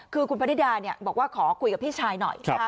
คือคุณพนิดาบอกว่าขอคุยกับพี่ชายหน่อย